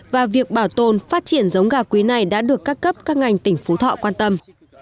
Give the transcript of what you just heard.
và việc bảo tồn phát triển giống gà quý này đã được các cấp các ngành tỉnh phú thọ quan tâm